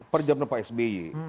pada zaman pak sbe